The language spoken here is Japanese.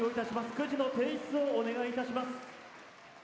くじの提出をお願いいたします